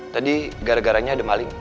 tadi gara garanya ada maling